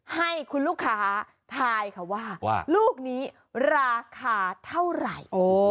ให้คุณลูกค้าทายค่ะว่าลูกนี้ราคาเท่าไหร่